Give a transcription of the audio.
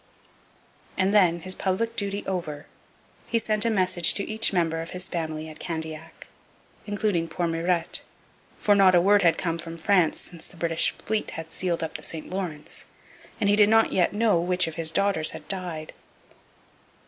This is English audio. And then, his public duty over, he sent a message to each member of his family at Candiac, including 'poor Mirete,' for not a word had come from France since the British fleet had sealed up the St Lawrence, and he did not yet know which of his daughters had died.